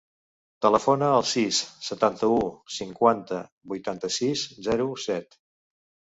Telefona al sis, setanta-u, cinquanta, vuitanta-sis, zero, set.